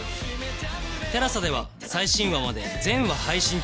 ＴＥＬＡＳＡ では最新話まで全話配信中